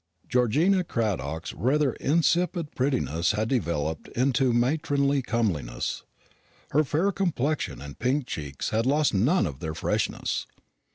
Georgina Cradock's rather insipid prettiness had developed into matronly comeliness. Her fair complexion and pink cheeks had lost none of their freshness.